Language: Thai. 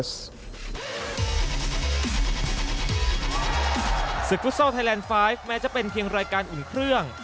ศึกฟุตซอลไทยแลนด์ไฟล์แม้จะเป็นเพียงรายการอุ่นเครื่อง